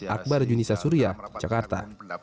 akbar junisa surya cakarta